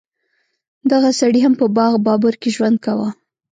دغه سړي هم په باغ بابر کې ژوند کاوه.